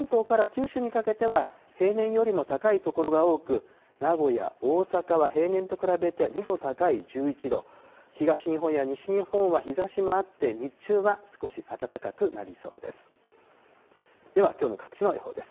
一方、関東から九州にかけては平年よりも高い所が多く、名古屋、大阪は平年と比べて２度高い１１度、東日本や西日本は日ざしもあって日中は少し暖かくなりそうです。